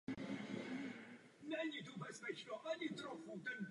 K rozkolu došlo kvůli odlišným postojům k hlasování ohledně zákona o náboženských službách.